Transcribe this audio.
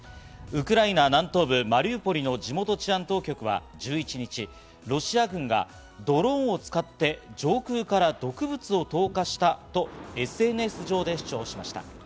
ウクライナ南東部マリウポリの地元治安当局は１１日、ロシア軍がドローンを使って上空から毒物を投下したとＳＮＳ上で主張しました。